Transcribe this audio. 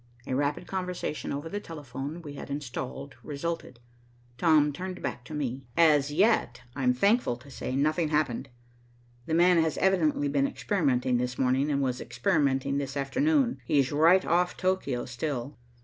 A rapid conversation over the telephone we had installed, resulted. Tom turned back to me. "As yet, I'm thankful to say, nothing happened. 'The man' has evidently been experimenting this morning, and was experimenting this afternoon. He's right off Tokio, still.